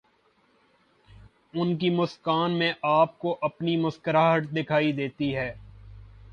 ان کی مسکان میں آپ کو اپنی مسکراہٹ دکھائی دیتی ہے۔